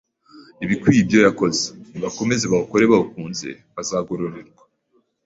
ibikwiye ibyo yakoze, nibakomeze bawukore bawukunze bazagororerwa.